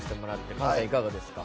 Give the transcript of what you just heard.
菅さん、いかがですか。